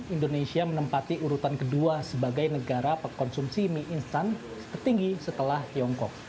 indonesia menempati urutan kedua sebagai negara pengkonsumsi mie instan tertinggi setelah tiongkok